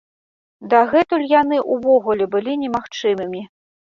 Дагэтуль яны ўвогуле былі немагчымымі.